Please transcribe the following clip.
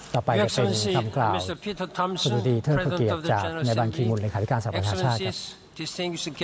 ต่อไปก็เป็นคำกล่าวสุดีท่านภูเกียรติจากแม่บังกิมูลในขาดิกาสำหรับท่านศาสตร์ครับ